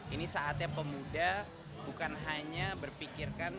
ini saatnya pemuda bukan hanya berpikirkan